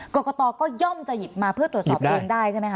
กรกตก็ย่อมจะหยิบมาเพื่อตรวจสอบเองได้ใช่ไหมค